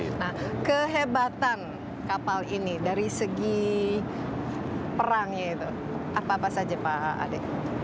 nah kehebatan kapal ini dari segi perangnya itu apa apa saja pak ade